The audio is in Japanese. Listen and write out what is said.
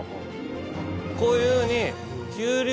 こういうふうに。